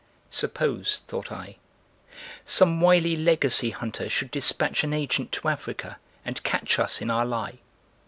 "Suppose," thought I, "some wily legacy hunter should dispatch an agent to Africa and catch us in our lie?